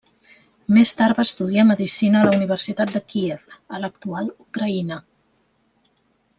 Més tard va estudiar medicina a la Universitat de Kíev, a l'actual Ucraïna.